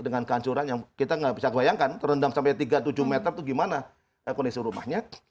dengan kehancuran yang kita nggak bisa bayangkan terendam sampai tiga tujuh meter itu gimana kondisi rumahnya